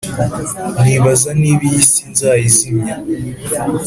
nibaza niba iyi si nzayizimya